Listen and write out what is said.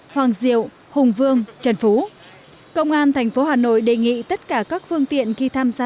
hoàng diệu hùng vương trần phú công an tp hà nội đề nghị tất cả các phương tiện khi tham gia